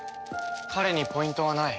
彼にポイントはない。